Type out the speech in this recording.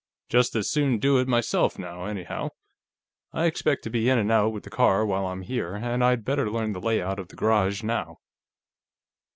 "Just as soon do it, myself, now, anyhow. I expect to be in and out with the car while I'm here, and I'd better learn the layout of the garage now."